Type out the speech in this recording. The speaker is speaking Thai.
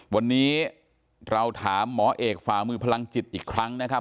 วันนี้เราถามหมอเอกฝ่ามือพลังจิตอีกครั้งนะครับ